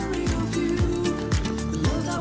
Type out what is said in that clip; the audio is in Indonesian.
aduh enak banget